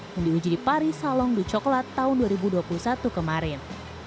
yang diuji di paris salon du coklat tahun dua ribu dua puluh satu kemarin